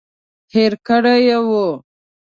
هېر کړي وو.